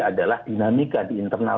adalah dinamika di internal